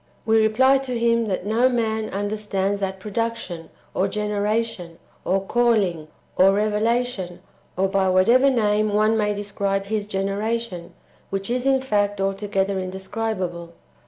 we reply to him, that no one under stands that production, or generation, or calling, or revelation, or by whatever name one may describe His generation, which is in fact altogether indescribable.